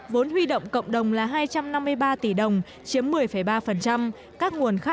vốn huy động cộng đồng là hai trăm năm mươi ba tỷ đồng chiếm một mươi ba